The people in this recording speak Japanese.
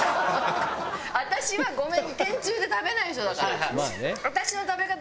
私はごめん天つゆで食べない人だから。